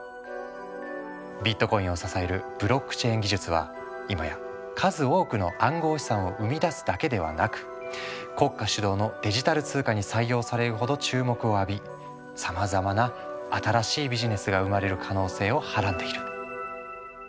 ビットコインを支えるブロックチェーン技術は今や数多くの暗号資産を生み出すだけではなく国家主導のデジタル通貨に採用されるほど注目を浴びさまざまな新しいビジネスが生まれる可能性をはらんでいる。